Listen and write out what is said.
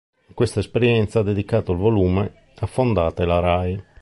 A questa esperienza ha dedicato il volume "Affondate la Rai.